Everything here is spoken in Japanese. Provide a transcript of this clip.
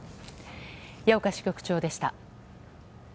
矢岡支局長でした。